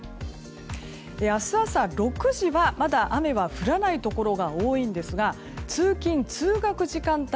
明日朝６時はまだ雨は降らないところが多いんですが通勤・通学時間帯